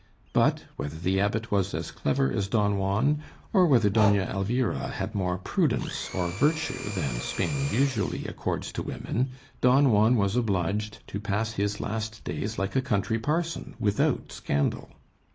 But, whether the Abbot was as clever as Don Juan, or whether Doña Elvira had more prudence or virtue than Spain usually accords to women, Don Juan was obliged to pass his last days like a country parson, without scandal.